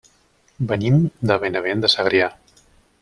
Venim de Benavent de Segrià.